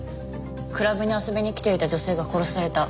クラブに遊びに来ていた女性が殺された。